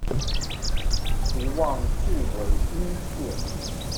期望至為殷切